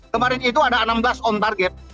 kemarin itu ada enam belas on target